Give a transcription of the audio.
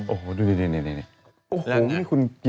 โอโหดูนี่